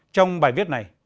trong bài viết này